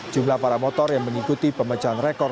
jumlah paramotor yang mengikuti pemecahan rekor